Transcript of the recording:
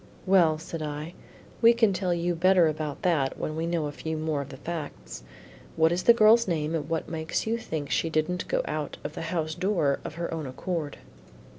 "Well," said I, "we can tell you better about that when we know a few more of the facts. What is the girl's name and what makes you think she didn't go out of the house door of her own accord?"